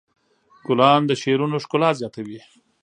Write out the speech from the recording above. ګلان د شعرونو ښکلا زیاتوي.